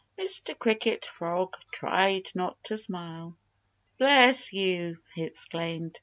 Mr. Cricket Frog tried not to smile. "Bless you!" he exclaimed.